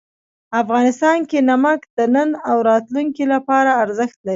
افغانستان کې نمک د نن او راتلونکي لپاره ارزښت لري.